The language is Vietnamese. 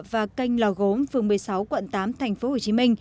và kênh lò gốm phường một mươi sáu quận tám tp hcm